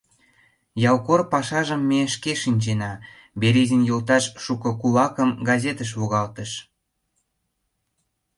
Ялкор пашажым ме шке шинчена: Березин йолташ шуко кулакым газетыш логалтыш.